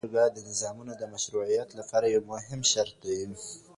لویه جرګه د نظامونو د مشروعیت لپاره یو مهم شرط دی.